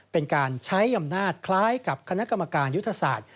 เป็นการใช้อำนาจคล้ายกับคณะกรรมการยุทธศาสตร์